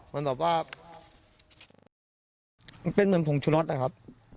มันแบบว่าเป็นเหมือนผงชุน็อตนะครับ